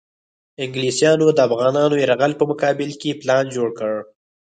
انګلیسیانو د افغانانو یرغل په مقابل کې پلان جوړ کړ.